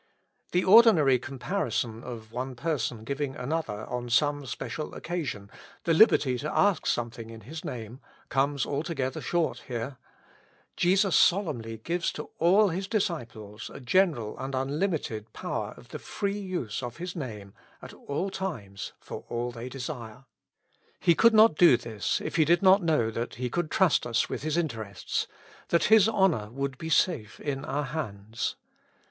The ordi nary comparison of one person giving another, on some special occasion, the liberty to ask something in his name, comes altogether short here, — Jesus solemnly gives to all His disciples a general and un limited power of the free use of His Name at all times for all they desire. He could not do this if He did not know that He could trust us with His inter ests, that His honor would be safe in our hands.